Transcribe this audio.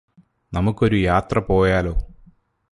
നമുക്കൊരു യാത്ര പോയാലോ?